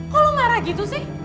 kok lo marah gitu sih